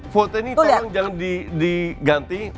foto ini memang jangan diganti